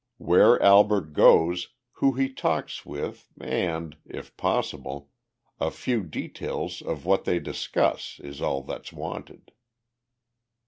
Where Albert goes, who he talks with and, if possible, a few details of what they discuss, is all that's wanted."